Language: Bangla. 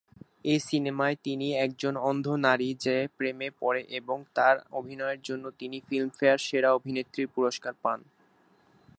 এই সিনেমায় তিনি একজন অন্ধ নারী যে প্রেমে পড়ে এবং তার অভিনয়ের জন্যে তিনি ফিল্মফেয়ার সেরা অভিনেত্রীর পুরস্কার পান।